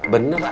bener tuh mak